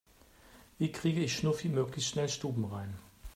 Wie kriege ich Schnuffi möglichst schnell stubenrein?